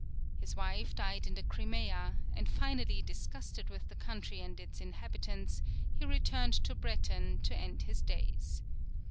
His wife died in the Crimea; and finally, disgusted with the country and its inhabitants, he returned to Breton to end his days.